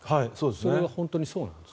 それは本当にそうなんですか？